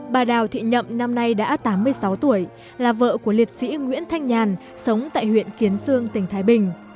bà đào thị nhậm năm nay đã tám mươi sáu tuổi là vợ của liệt sĩ nguyễn thanh nhàn sống tại huyện kiến sương tỉnh thái bình